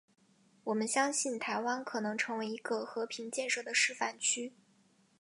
我们相信台湾可能成为一个和平建设的示范区。